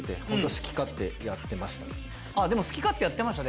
あでも好き勝手やってました？